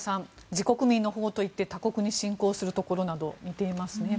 自国民のほうといって他国に侵攻するところなど似ていますね。